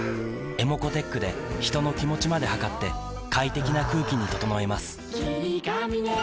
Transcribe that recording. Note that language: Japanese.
ｅｍｏｃｏーｔｅｃｈで人の気持ちまで測って快適な空気に整えます